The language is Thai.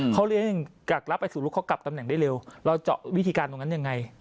เขาเลี้ยงจากรับไปสู่ลูกเขากลับตำแหน่งได้เร็วเราเจาะวิธีการตรงนั้นยังไง